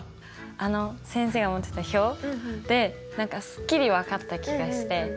あの先生が持ってた表で何かすっきり分かった気がして。